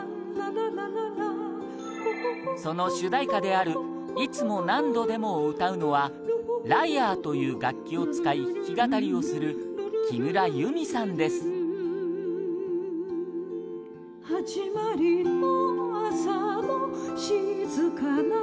その主題歌である『いつも何度でも』を歌うのはライアーという楽器を使い弾き語りをする木村弓さんですさあ、どんどんいきますよ